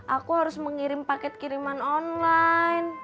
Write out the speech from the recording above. aku harus mengirim paket kiriman online